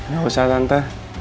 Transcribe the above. gak usah lantah